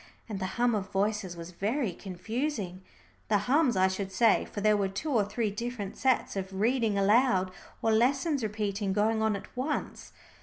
And the hum of voices was very confusing, the hums I should say, for there were two or three different sets of reading aloud, or lessons repeating, going on at once.